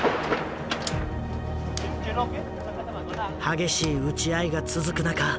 激しい撃ち合いが続く中